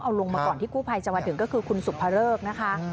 เอาลงมาก่อนที่กู้ภัยจะมาถึงก็คือคุณสุภเริกนะคะ